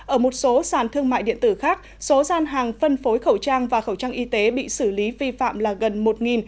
ở một số sàn thương mại điện tử khác số gian hàng phân phối khẩu trang và khẩu trang y tế bị xử lý vi phạm là gần một